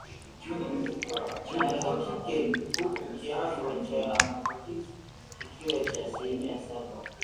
Kike huku kiango cha maambukizi kikiwa cha asilimia saba